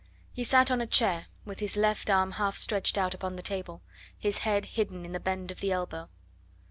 He sat on a chair, with his left arm half stretched out upon the table, his head hidden in the bend of the elbow.